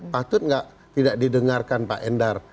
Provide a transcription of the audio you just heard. patut tidak didengarkan pak endar